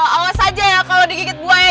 awas aja ya kalau digigit buaya